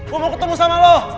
gue mau ketemu sama lo